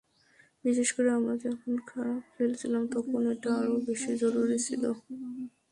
বিশেষ করে আমরা যখন খারাপ খেলছিলাম, তখন এটা আরও বেশি জরুরি ছিল।